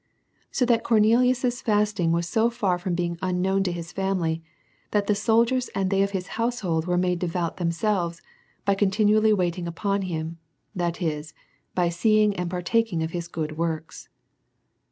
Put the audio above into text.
So that Cornelius's fasting was so far from being un known to his family, that the soldiers and they of his household were made devout themselves, by continu ally waiting upon him, that is, by seeing and partak ing of his good works.